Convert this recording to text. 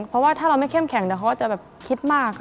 เพราะว่าถ้าเราไม่เข้มแข็งเดี๋ยวเขาก็จะแบบคิดมาก